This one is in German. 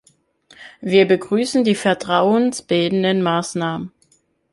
Wir begrüßen die vertrauensbildenden Maßnahmen.